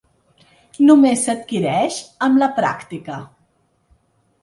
Només s’adquireix amb la pràctica.